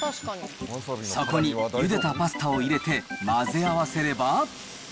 そこに、ゆでたパスタを入れて、混ぜ合わせれば。